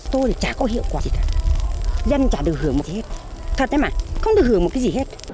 tôi chả có hiệu quả gì cả dân chả được hưởng một cái gì hết thật đấy mà không được hưởng một cái gì hết